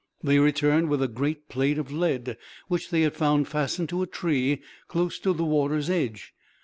They returned with a great plate of lead, which they had found fastened to a tree, close to the water's edge.